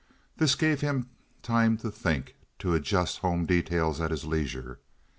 This gave him time to think—to adjust home details at his leisure.